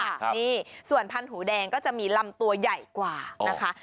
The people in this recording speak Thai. นี่ส่วนพันธุแดงก็จะมีลำตัวใหญ่กว่านะคะ